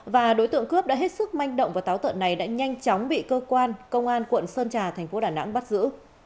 và đối tượng cướp đã hết sức manh động và táo tợn này đã nhanh chóng bị cơ quan công an quận sơn trà thành phố đà nẵng bắt giữ